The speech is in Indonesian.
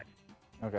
oke artinya cukup tinggi